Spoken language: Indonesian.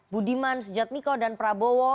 budiman sujadmiko dan prabowo